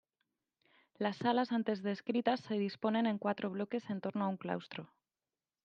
Las salas antes descritas se disponen en cuatro bloques en torno a un claustro.